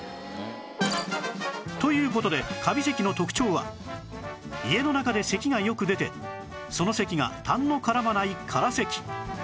という事でカビ咳の特徴は家の中で咳がよく出てその咳がたんの絡まない空咳